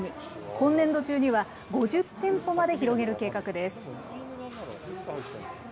今年度中には５０店舗まで広げる計画です。